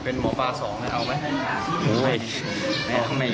เป็นหมอปลาสองเอาไว้ให้งาน